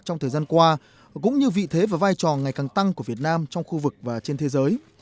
trong thời gian qua cũng như vị thế và vai trò ngày càng tăng của việt nam trong khu vực và trên thế giới